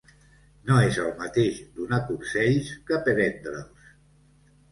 No és el mateix donar consells que prendre'ls.